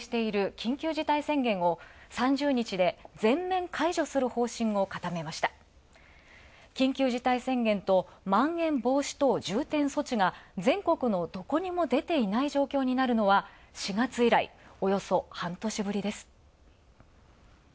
緊急事態宣言とまん延防止等重点措置が全国のどこにも出ていない状況になるのは、４月以来、およそ半年振りです。